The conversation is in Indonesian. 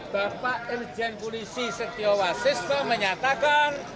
bapak irjen polisi setiawasisto menyatakan